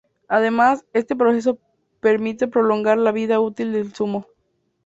Además, este proceso permite prolongar la vida útil del zumo.